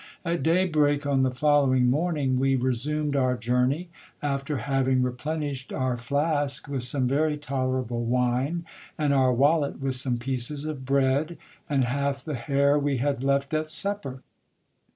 At daybreak on the following morning we resumed our journey, after having replenished our flask with some very tolerable wine, and our wallet with some pieces of bread, and half the hare we had left at supper.